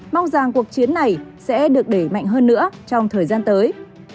mong rằng cuộc chiến này sẽ được đẩy mạnh hơn nữa trong thời gian tới